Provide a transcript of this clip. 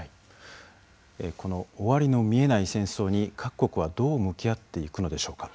この終わりの見えない戦争に各国はどう向き合っていくのでしょうか。